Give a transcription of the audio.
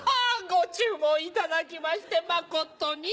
ご注文いただきまして誠に。